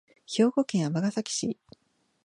兵庫県尼崎市